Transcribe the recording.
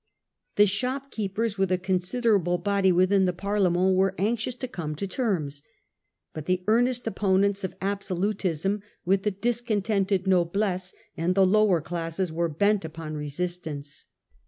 The shopkeepers, with a considerable body within the Parle ment , were anxious to come to terms. But the earnest opponents of absolutism, with the discontented noblesse and the lower classes, were bent upon resistance.